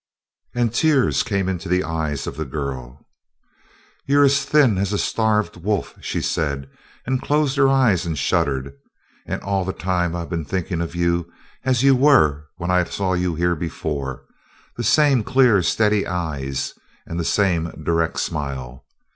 And tears came into the eyes of the girl. "You're as thin as a starved wolf," she said, and closed her eyes and shuddered. "And all the time I've been thinking of you as you were when I saw you here before the same clear, steady eyes and the same direct smile.